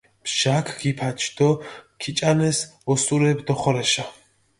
ბჟაქ გიფაჩ დო ქიჭანეს ოსურეფი დოხორეშა.